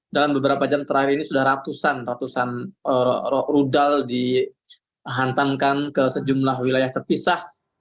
dalam beberapa jam terakhir ini sudah ratusan ratusan rudal dihantamkan ke sejumlah wilayah terpisah